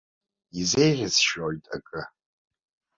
Иузеиӷьысшьоит акы.